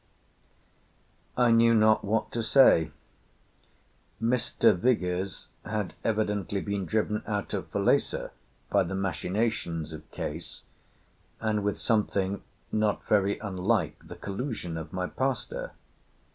"I knew not what to say. Mr. Vigours had evidently been driven out of Falesá by the machinations of Case and with something not very unlike the collusion of my pastor.